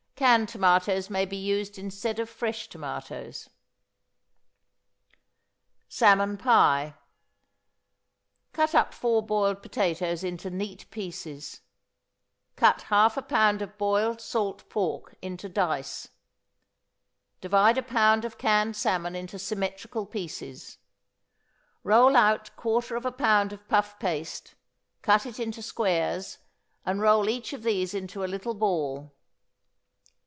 Canned tomatoes may be used instead of fresh tomatoes. =Salmon Pie.= Cut up four boiled potatoes into neat pieces; cut half a pound of boiled salt pork into dice; divide a pound of canned salmon into symmetrical pieces; roll out quarter of a pound of puff paste, cut it into squares, and roll each of these into a little ball.